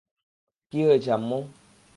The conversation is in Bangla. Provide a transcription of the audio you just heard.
কী হয়েছে, আম্মু?